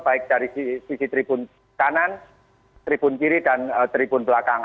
baik dari sisi tribun kanan tribun kiri dan tribun belakang